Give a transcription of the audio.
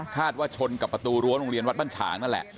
คาดว่าชนกับประตูรวงโรงเรียนวัดพันธ์ชางนั่นแหละ